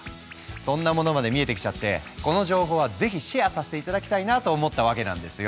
そんなものまで見えてきちゃってこの情報はぜひシェアさせて頂きたいなと思ったわけなんですよ！